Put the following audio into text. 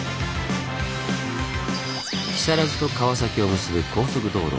木更津と川崎を結ぶ高速道路